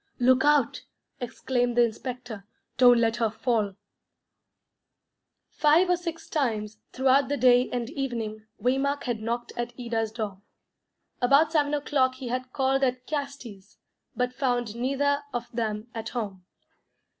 "Look out," exclaimed the inspector. "Don't let her fall." Five or six times, throughout the day and evening, Waymark had knocked at Ida's door. About seven o'clock he had called at the Castis', but found neither of them at home.